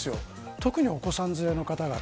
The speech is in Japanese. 特にお子さん連れの方々。